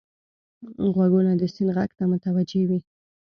غوږونه د سیند غږ ته متوجه وي